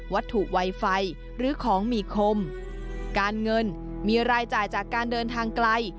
วัตถุไวไฟหรือของมีคมการเงินมีรายจ่ายจากการเดินทางไกล